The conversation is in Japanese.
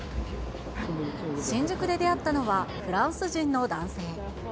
新宿で出会ったのは、フランス人の男性。